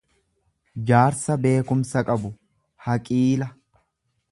jaarsa beekumsa qabu, haqiila.